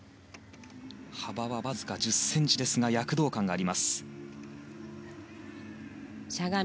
幅はわずか１０ｃｍですが躍動感があります。